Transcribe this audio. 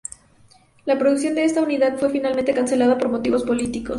La producción de esta unidad fue finalmente cancelada por motivos políticos.